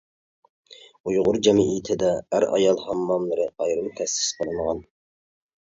ئۇيغۇر جەمئىيىتىدە ئەر-ئايال ھامماملىرى ئايرىم تەسىس قىلىنغان.